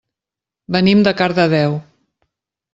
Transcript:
Venim de Cardedeu.